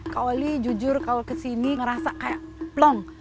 kalau li jujur kalau kesini ngerasa kayak plong